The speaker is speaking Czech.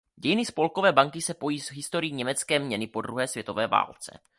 Dějiny Spolkové banky se pojí s historií německé měny po druhé světové válce.